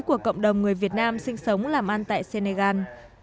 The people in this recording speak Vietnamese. của cộng đồng người việt nam sinh sống làm ăn tại senegal